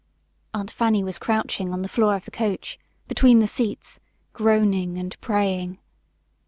Aunt Fanny was crouching on the floor of the coach, between the seats, groaning and praying.